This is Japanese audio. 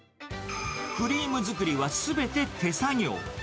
クリーム作りはすべて手作業。